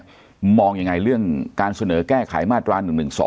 มองยังไงเรื่องการเสนอแก้ไขมาตรา๑๑๒